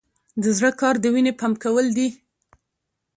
د زړه کار د وینې پمپ کول دي